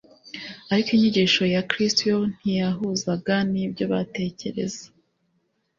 Ariko inyigisho ya Kristo yo ntiyahuzaga n’ibyo batekereza